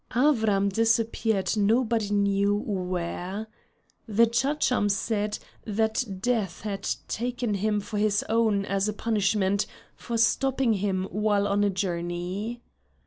Avram disappeared nobody knew where. The Chacham said that death had taken him for his own as a punishment for stopping him while on a journey.